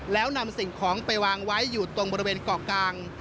แล้วนำสิ่งของไปวางไว้อยู่ตรงบริเวณเกาะกลาง